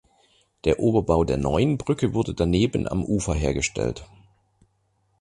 Der Oberbau der neuen Brücke wurde daneben am Ufer hergestellt.